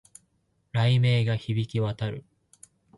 雷鳴が響き渡る